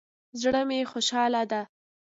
زړه می خوشحاله ده